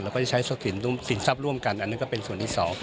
แล้วก็จะใช้สินทรัพย์ร่วมกันอันนั้นก็เป็นส่วนนี้สอง